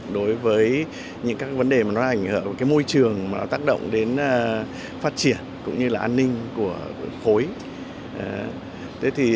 đối với những vấn đề hành hợp với môi trường tác động đến phát triển cũng như là an ninh của khối